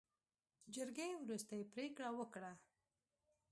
جرګې وروستۍ پرېکړه وکړه.